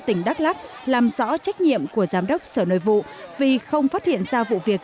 tỉnh đắk lắc làm rõ trách nhiệm của giám đốc sở nội vụ vì không phát hiện ra vụ việc